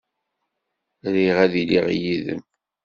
Riɣ ad iliɣ yid-m.